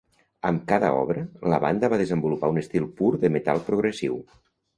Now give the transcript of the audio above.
Amb cada obra, la banda va desenvolupar un estil pur de metal progressiu.